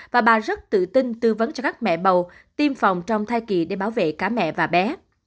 và bà rất tự tin tư vấn cho các mẹ bầu tiêm phòng trong thai kỳ để bảo vệ cả mẹ và bé